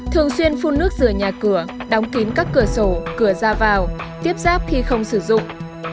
thường xuyên phun nước rửa nhà cửa đóng kín các cửa sổ cửa ra vào tiếp ráp khi không sử dụng